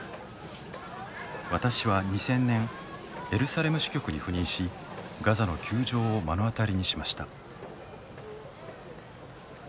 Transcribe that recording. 私は２０００年エルサレム支局に赴任しガザの窮状を目の当たりにしました。